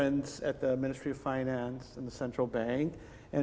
teman teman kami di kementerian finansi dan bank tengah